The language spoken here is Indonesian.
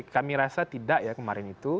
kami rasa tidak ya kemarin itu